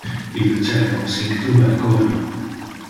Ille cerca un cinctura de corio.